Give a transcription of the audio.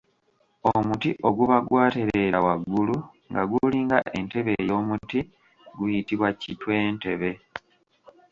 Omuti oguba gwatereera waggulu nga gulinga entebe ey’omuti guyitibwa kitwentebe.